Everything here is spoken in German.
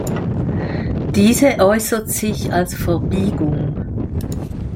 Diese äußert sich als Verbiegung.